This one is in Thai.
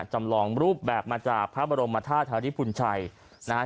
จำลองรูปแบบมาจากพระบรมทาธาริปุณฏไชยนะฮะ